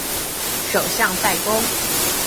首府塞公。